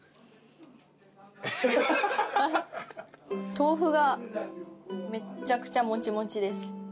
豆腐がめっちゃくちゃもちもちです。